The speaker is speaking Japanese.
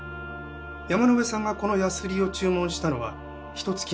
山野辺さんがこのヤスリを注文したのはひと月前。